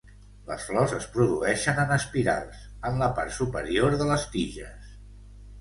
Les flors es produeixen en espirals, en la part superior de les tiges.